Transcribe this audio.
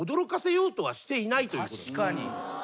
確かに。